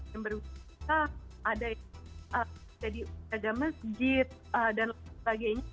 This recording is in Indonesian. yang berusaha ada yang jadi ada masjid dan lain sebagainya